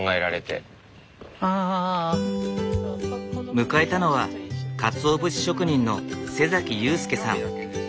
迎えたのはかつお節職人の祐介さん。